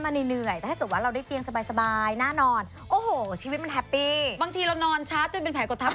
วันนี้เรามีเตียงให้คุณผู้ชมมา